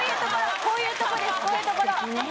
こういうところ。